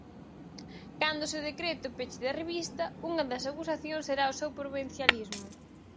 Cando se decrete o peche da revista, unha das acusacións será o seu provincialismo.